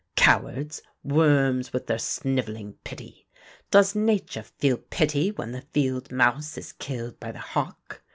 cowards, worms, with their snivelling pity. Does nature feel pity when the field mouse is killed by the hawk?